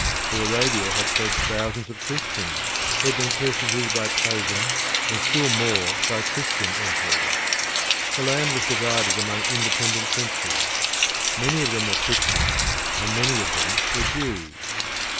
To Arabia had fled thousands of Christians who had been persecuted by pagan and still more by Christian emperors. The land was divided among independent princes many of them were Christians and many of them were Jews.